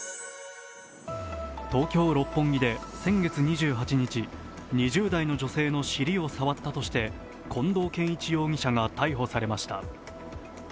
東京・六本木で先月２８日、２０代の女性の尻を触ったとして近藤健一容疑者が逮捕されました。